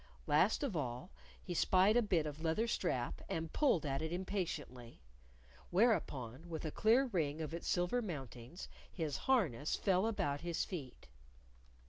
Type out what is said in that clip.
Last of all, he spied a bit of leather strap, and pulled at it impatiently. Whereupon, with a clear ring of its silver mountings, his harness fell about his feet.